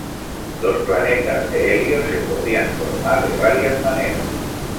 Los planetas de helio se podrían formar de varias maneras.